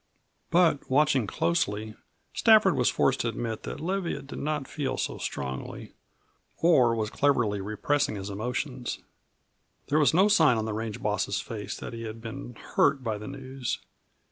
But watching closely, Stafford was forced to admit that Leviatt did not feel so strongly, or was cleverly repressing his emotions. There was no sign on the range boss's face that he had been hurt by the news.